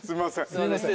すいません。